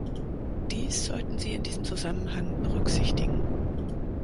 Dies sollten Sie in diesem Zusammenhang berücksichtigen.